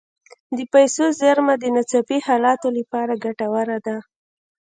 د پیسو زیرمه د ناڅاپي حالاتو لپاره ګټوره ده.